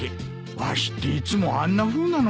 わしっていつもあんなふうなのかな。